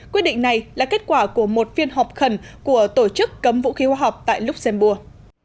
quyết định này là kết quả của một phiên họp khẩn của tổ chức cấm vũ khí hóa học tại luxembourg